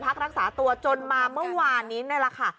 พักรักษาตัวจนมาเมื่อวานนี้นี่แหละค่ะ